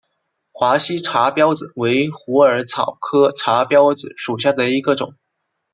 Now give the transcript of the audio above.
华西茶藨子为虎耳草科茶藨子属下的一个种。